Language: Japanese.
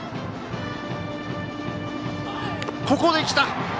ここで来た！